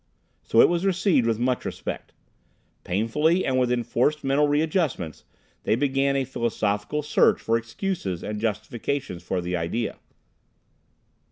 So it was received with much respect. Painfully and with enforced mental readjustments, they began a philosophical search for excuses and justifications for the idea.